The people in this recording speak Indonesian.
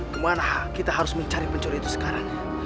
kemana kita harus mencari pencuri itu sekarang